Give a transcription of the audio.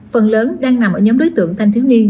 phần lớn đang nằm ở nhóm đối tượng thanh thiếu niên